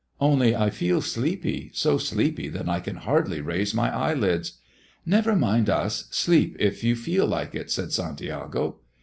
Only I feel sleepy, so sleepy that I can hardly raise my eyelids." "Never mind us; sleep if you feel like it," said Santiago.